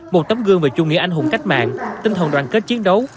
một tấm gương về chủ nghĩa anh hùng cách mạng tinh thần đoàn kết chiến đấu